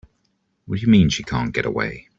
What do you mean she can't get away?